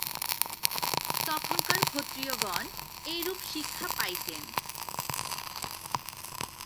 তখনকার ক্ষত্রিয়গণ এইরূপ শিক্ষা পাইতেন।